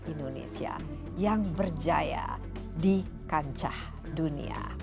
indonesia yang berjaya di kancah dunia